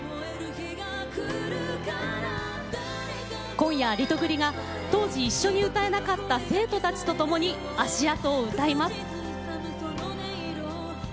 今夜、リトグリが当時一緒に歌えなかった生徒たちとともに「足跡」を歌います。